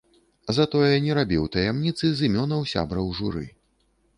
Затое не рабіў таямніцы з імёнаў сябраў журы.